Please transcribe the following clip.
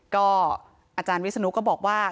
ก็อาจารย์วิศนุก็บอกว่า